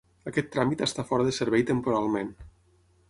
Aquest tràmit està fora de servei temporalment.